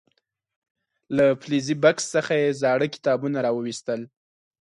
له فلزي بکس څخه یې زاړه کتابونه راو ویستل.